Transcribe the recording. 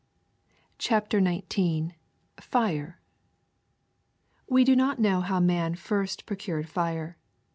^' CHAPTEE XIX FIRE »< W E do not know how man first procured fire.